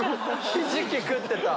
ひじき食ってた。